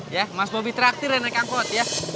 ya mas bopi teraktif ya naik angkot ya